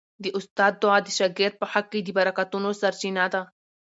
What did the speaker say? د استاد دعا د شاګرد په حق کي د برکتونو سرچینه ده.